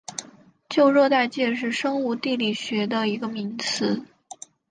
旧热带界是生物地理学的一个名词。